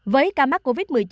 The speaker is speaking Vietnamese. với ca mắc covid một mươi chín